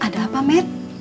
ada apa met